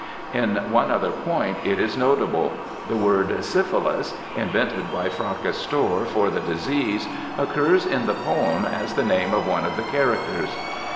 In one other point it is notable. The word syphilis, invented by Fracastor for the disease, occurs in the poem as the name of one of the characters.